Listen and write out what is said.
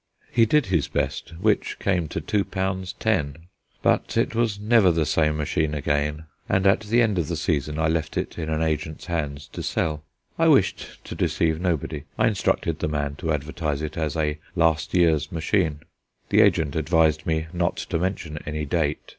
He did his best, which came to two pounds ten. But it was never the same machine again; and at the end of the season I left it in an agent's hands to sell. I wished to deceive nobody; I instructed the man to advertise it as a last year's machine. The agent advised me not to mention any date.